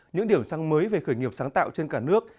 những điểm sáng mới về khởi nghiệp sáng tạo trên cả nước